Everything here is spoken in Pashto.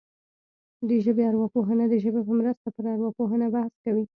د ژبې ارواپوهنه د ژبې په مرسته پر ارواپوهنه بحث کوي